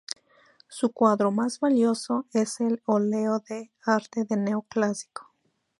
Su cuadro más valioso es en óleo De Arte Neo clásico.